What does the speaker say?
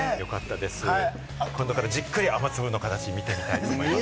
今度からじっくり雨粒の形を見てみたいと思います。